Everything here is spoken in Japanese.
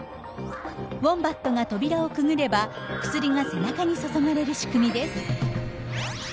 ウォンバットが扉をくぐれば薬が背中に注がれる仕組みです。